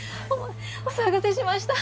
お騒がせしました